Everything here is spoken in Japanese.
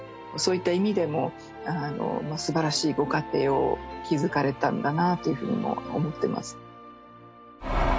そういった意味でもすばらしいご家庭を築かれたんだなというふうにも思ってます。